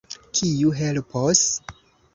Kiu helpos?